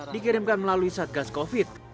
dikirimkan melalui satgas covid